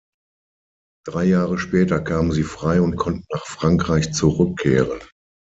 Drei Jahr später kamen sie frei und konnten nach Frankreich zurückkehren.